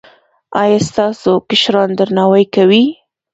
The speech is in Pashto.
ایا ستاسو کشران درناوی کوي؟